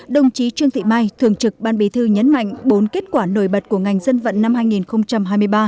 đồng chí trương thị mai thường trực ban bí thư nhấn mạnh bốn kết quả nổi bật của ngành dân vận năm hai nghìn hai mươi ba